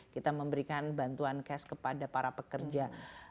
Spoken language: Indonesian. kita memberikan bantuan cash kepada para pekerja